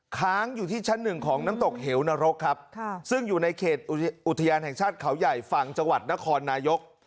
ค้างอยู่ที่ชั้นหนึ่งของน้ำตกเหวนรกครับซึ่งอยู่ในเขตอุทยานแห่งชาติเขาใหญ่ฝั่งจังหวัดนครนายก